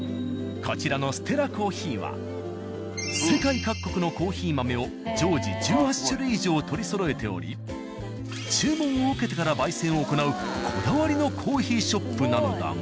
こちらの「Ｓｔｅｌｌａｃｏｆｆｅｅ」は世界各国のコーヒー豆を常時１８種類以上取りそろえており注文を受けてから焙煎を行うこだわりのコーヒーショップなのだが。